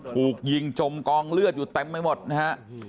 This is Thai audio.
ถูกยิงจมกองเลือดอยู่เต็มไปหมดนะฮะ